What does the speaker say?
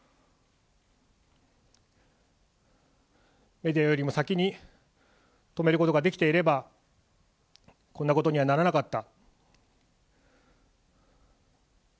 メディアよりも先に止めることができていれば、こんなことにはならなかった。